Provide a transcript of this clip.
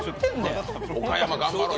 岡山頑張ろう